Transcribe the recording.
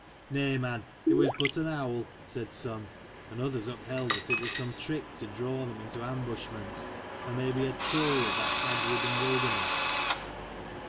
"Nay, man, it was but an owl," said some: and others upheld that it was some trick to draw them into ambushment : or maybe a troll of that hag ridden wilderness.